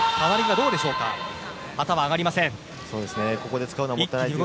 旗は上がりません。